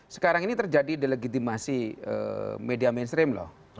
sekarang ini terjadi delegitimasi media mainstream loh